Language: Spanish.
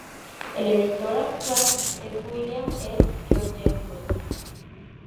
El editor actual es William L. Jorgensen.